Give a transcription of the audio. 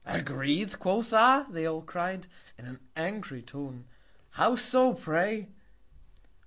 Agreed, quotha! they all cried, in an angry Tone, How so, pray?